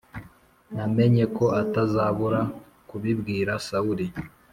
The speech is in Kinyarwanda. namenye ko atazabura kubibwira Sawuli.